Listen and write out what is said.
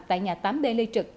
tại nhà tám d lê trực